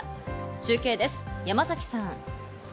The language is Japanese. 中継です、山崎さん。